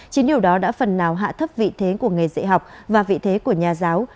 chính điều đó đã phần nào hạ thấp vị thế của nghề dạy học và vị thế của nhà giáo